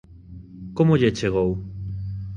Como lle chegou?